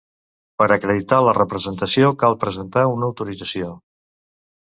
Per acreditar la representació cal presentar una autorització.